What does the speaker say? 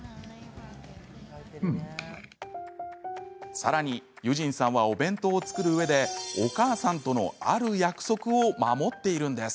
さらに、結尋さんはお弁当を作るうえでお母さんとのある約束を守っているんです。